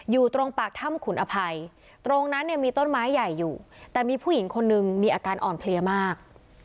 อยู่ตรงปากถ้ำขุนอภัยตรงนั้นเนี่ยมีต้นไม้ใหญ่อยู่แต่มีผู้หญิงคนนึงมีอาการอ่อนเพลียมาก